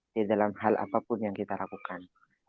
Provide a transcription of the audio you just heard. di dalam hal apapun yang kita lakukan